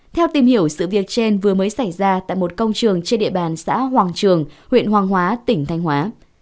theo tìm hiểu sự việc trên vừa mới xảy ra tại một công trường trên địa bàn xã hoàng trường huyện hoàng hóa tỉnh thanh hóa